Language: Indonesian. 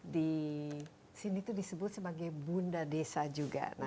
di sini itu disebut sebagai bunda desa juga